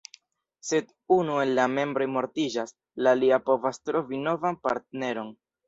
Se unu el la membroj mortiĝas, la alia povas trovi novan partneron.